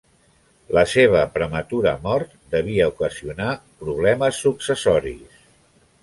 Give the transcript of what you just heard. La seva prematura mort devia ocasionar problemes successoris.